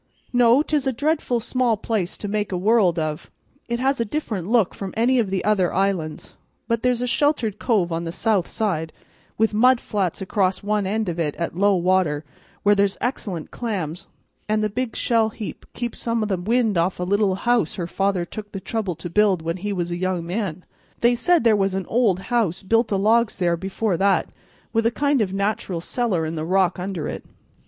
No, 'tis a dreadful small place to make a world of; it has a different look from any of the other islands, but there's a sheltered cove on the south side, with mud flats across one end of it at low water where there's excellent clams, and the big shell heap keeps some o' the wind off a little house her father took the trouble to build when he was a young man. They said there was an old house built o' logs there before that, with a kind of natural cellar in the rock under it.